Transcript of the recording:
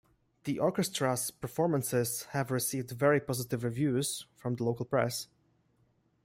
The orchestra's performances have received very positive reviews from the local press.